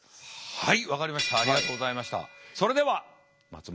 はい。